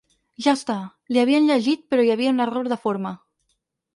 Ja està, li havien llegit però hi havia un error de forma.